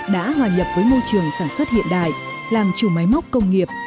đã hòa nhập với môi trường sản xuất hiện đại làm chủ máy móc công nghiệp